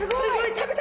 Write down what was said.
食べた！